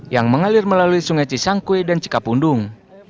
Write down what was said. yang mengalir melalui sungai cisangkui dan cikapundung